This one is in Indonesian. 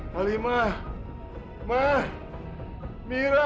halimah mah mira